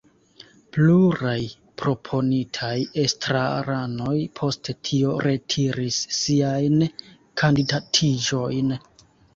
Pluraj proponitaj estraranoj post tio retiris siajn kandidatiĝojn.